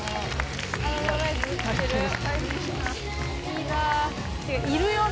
いいな！